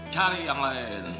cari yang lain